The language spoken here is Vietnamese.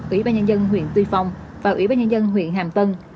ủy ban nhân dân huyện tuy phong và ủy ban nhân dân huyện hàm tân